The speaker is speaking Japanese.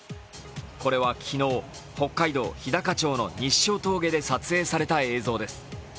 これは昨日、北海道日高町の日勝峠で撮影された映像です。